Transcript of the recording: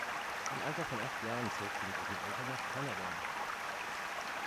Im Alter von acht Jahren zog sie mit ihren Eltern nach Kanada.